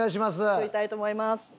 作りたいと思います。